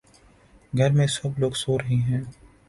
گھر میں سب لوگ سو رہے ہیں